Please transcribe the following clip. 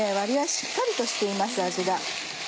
しっかりとしています味が。